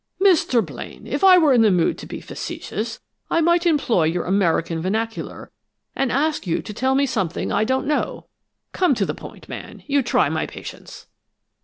"Mr. Blaine, if I were in the mood to be facetious, I might employ your American vernacular and ask that you tell me something I don't know! Come to the point, man; you try my patience."